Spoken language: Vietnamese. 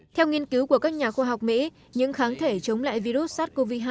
theo nghiên cứu của các nhà khoa học mỹ những kháng thể chống lại virus sars cov hai